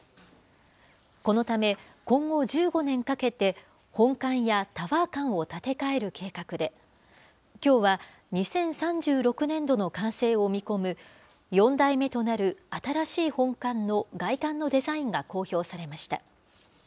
このため、今後１５年かけて、本館やタワー館を建て替える計画で、きょうは、２０３６年度の完成を見込む、４代目となる新しい本館の外観のデザインが公表されました。